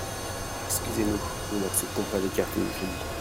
Excusez-nous, nous n'acceptons pas les cartes de crédit.